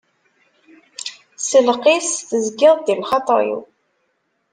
S lqis tezgiḍ-d i lxaṭer-iw.